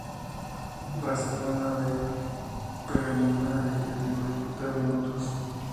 Barcelona B, pero en ninguna de ellas llegó a disputar minutos.